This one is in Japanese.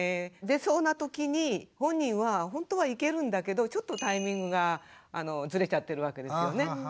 出そうなときに本人はほんとは行けるんだけどちょっとタイミングがずれちゃってるわけですよね。